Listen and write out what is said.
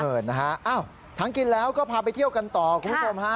นะฮะอ้าวทั้งกินแล้วก็พาไปเที่ยวกันต่อคุณผู้ชมฮะ